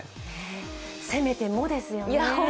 せめてもですよね。